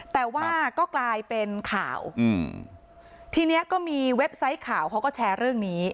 แต่ว่าก็กลายเป็นข่าวอืมทีเนี้ยก็มีเว็บไซต์ข่าวเขาก็แชร์เรื่องนี้